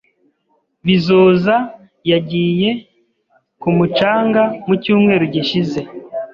Bizoza yagiye ku mucanga mu cyumweru gishize.